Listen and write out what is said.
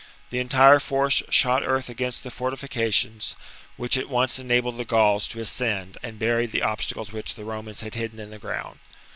The entire force shot earth against the fortifications, which at once enabled the Gauls to ascend and buried the obstacles which the Romans had hidden in the ground.